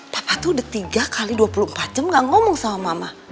papa tuh udah tiga x dua puluh empat jam gak ngomong sama mama